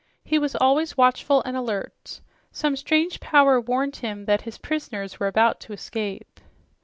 He was always watchful and alert. Some strange power warned him that his prisoners were about to escape.